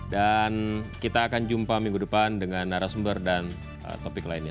dan kita akan jumpa minggu depan dengan narasumber dan topik lainnya